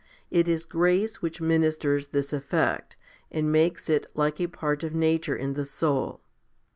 It is grace which ministers this effect, and makes it like a part of nature in the soul.